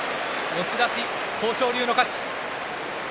押し出し、豊昇龍の勝ち。